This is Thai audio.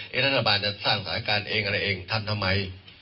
รัฐบาลจะสร้างสถานการณ์เองอะไรเองทำทำไม